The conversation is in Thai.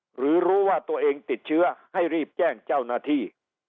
หรือรู้ว่าตัวเองติดเชื้อให้รีบแจ้งเจ้าหน้าที่